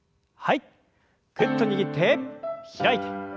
ぐっと握って開いて。